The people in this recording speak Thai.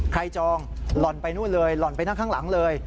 จองหล่อนไปนู่นเลยหล่อนไปนั่งข้างหลังเลย